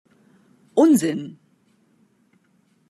Unsinn!